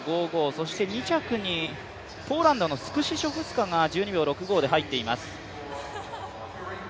そして２着にポーランドのスクシショフスカが１２秒６５で入っています。